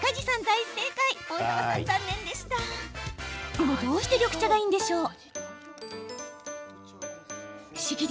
でも、どうして緑茶がいいんですか？